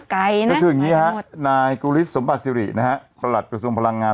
ก็คือยังินี่ครับนายกุฤษสมึาษฐ์โปรดรัฐใหม่กระทรวงพลังงาน